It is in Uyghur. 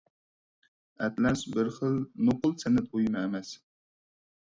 ئەتلەس بىر خىل نوقۇل سەنئەت بۇيۇمى ئەمەس.